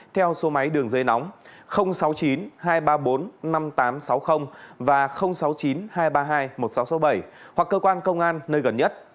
theo số máy đường dây nóng sáu mươi chín hai trăm ba mươi bốn năm nghìn tám trăm sáu mươi và sáu mươi chín hai trăm ba mươi hai một nghìn sáu trăm sáu mươi bảy hoặc cơ quan công an nơi gần nhất